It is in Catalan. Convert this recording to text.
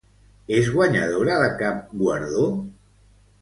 És guanyadora de cap guardó?